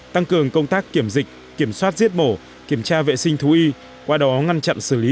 tăng cường công tác kiểm dịch kiểm soát giết bổ kiểm tra vệ sinh thú y qua đó ngăn chặn xử lý